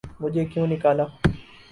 'مجھے کیوں نکالا؟